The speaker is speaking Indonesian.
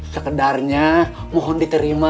sekedarnya mohon diterima